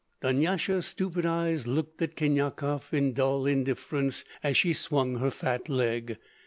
Dunyasha's stupid eyes looked at Khinyakov in dull indifference as she swung her fat leg.